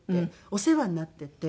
お世話になっていて。